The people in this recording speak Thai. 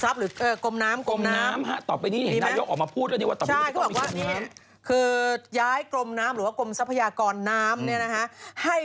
พูดถูกก็เฉยไปเลย